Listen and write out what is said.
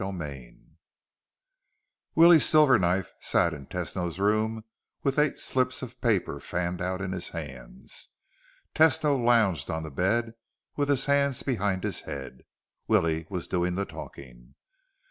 X Willie Silverknife sat in Tesno's room with eight slips of paper fanned out in his hands. Tesno lounged on the bed with his hands behind his head. Willie was doing the talking.